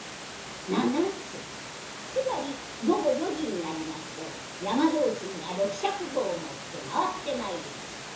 七つつまり午後４時になりますと山同心が六尺棒を持って回ってまいります。